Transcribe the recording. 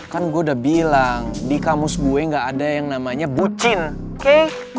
kan gue udah bilang di kamus gue gak ada yang namanya bucin